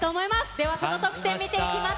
では、その得点、見ていきます。